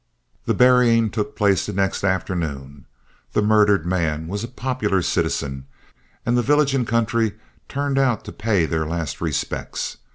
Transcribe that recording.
"The burying took place the next afternoon. The murdered man was a popular citizen, and the village and country turned out to pay their last respects.